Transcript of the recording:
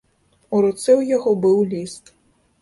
У руцэ ў яго быў ліст.